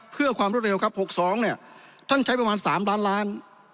เพื่อความรวดเร็วครับ๖๒เนี่ยท่านใช้ประมาณ๓ล้านล้าน